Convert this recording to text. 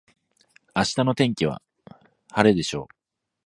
明日の天気は晴れでしょう。